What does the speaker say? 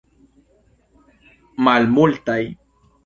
Malmultaj.